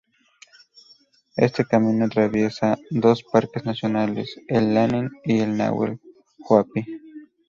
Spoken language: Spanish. Este camino atraviesa dos parques nacionales: el Lanín y el Nahuel Huapi.